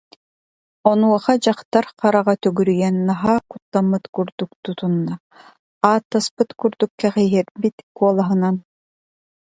Онуоха дьахтар хараҕа төгүрүйэн, наһаа куттаммыт курдук тутунна, ааттаспыт курдук кэһиэҕирбит куолаһынан: